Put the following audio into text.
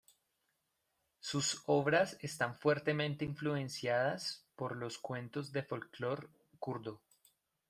Sus obras están fuertemente influenciadas por los cuentos del folclore kurdo.